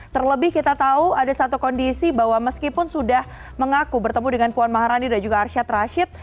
terlebih kita tahu ada satu kondisi bahwa meskipun sudah mengaku bertemu dengan puan maharani dan juga arsyad rashid